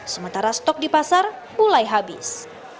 sementara stok di pasar mulai habis